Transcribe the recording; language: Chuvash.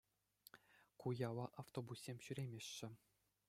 Ку яла автобуссем ҫӳремеҫҫӗ.